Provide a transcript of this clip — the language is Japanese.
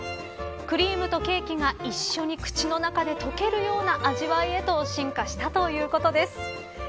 クリームとケーキが一緒に口の中で溶けるような味わいへと進化したということです。